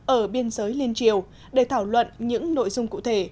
ở biên giới liên triều để thảo luận những nội dung cụ thể